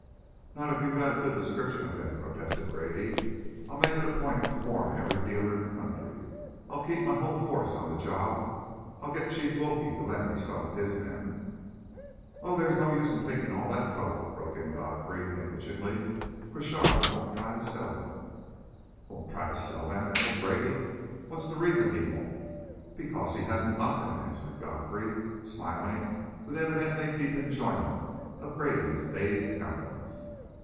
"Not if you've got a good description of them," protested Grady. "I'll make it a point to warn every dealer in the country; I'll keep my whole force on the job; I'll get Chief Wilkie to lend me some of his men...." "Oh, there is no use taking all that trouble," broke in Godfrey, negligently. "Crochard won't try to sell them." "Won't try to sell them?" echoed Grady. "What's the reason he won't?" "Because he hasn't got them," answered Godfrey, smiling with an evidently deep enjoyment of Grady's dazed countenance.